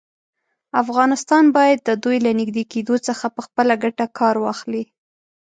افغانستان باید د دوی له نږدې کېدو څخه په خپله ګټه کار واخلي.